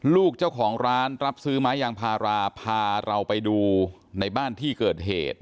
ลูกเจ้าของร้านรับซื้อไม้ยางพาราพาเราไปดูในบ้านที่เกิดเหตุ